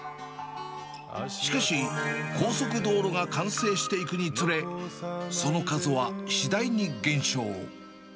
しかし、高速道路が完成していくにつれ、その数は次第に減少。